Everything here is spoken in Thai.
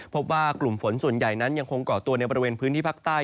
พบว่ากลุ่มฝนส่วนใหญ่นั้นยังคงเกาะตัวในบริเวณพื้นที่ภาคใต้